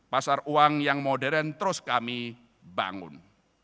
pasar uang yang modern terus kami bangun